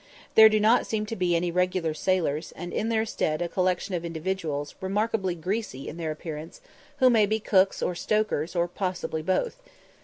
There do not seem to be any regular sailors, and in their stead a collection of individuals remarkably greasy in their appearance, who may be cooks or stokers, or possibly both.